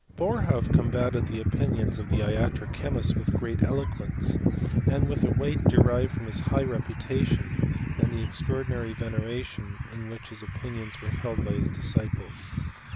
f Boerhaave combated the opinions of the iatro che mists with great eloquence, and with a weight derived from his high reputation, and the extraordinary vene ration in which his opinions were held by his disciples.